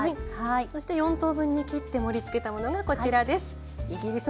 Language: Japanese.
そして４等分に切って盛りつけたものがこちらです。